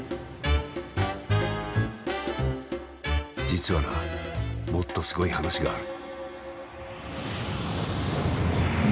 実はなもっとすごい話がある。